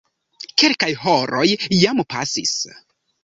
Kelkaj horoj jam pasis.